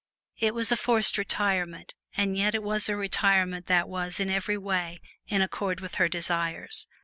It was a forced retirement, and yet it was a retirement that was in every way in accord with her desires.